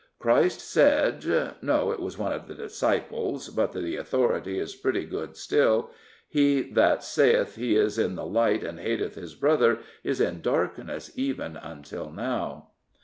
Christ said — no, it was one of the Disciples, but the authority is pretty good still: ' He that saith he is in the light and hateth his brother is in darkness even until now.'